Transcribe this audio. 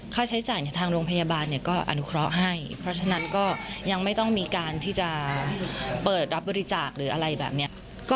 ค่าใช้จ่ายทางโรงพยาบาลก็อนุเคราะห์ให้เพราะฉะนั้นก็ยังไม่ต้องมีการที่จะเปิดรับบริจาคหรืออะไรแบบนี้